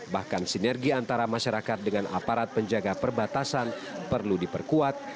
bahkan sinergi antara masyarakat dengan aparat penjaga perbatasan perlu diperkuat